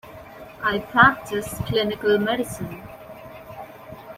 I practice clinical medicine.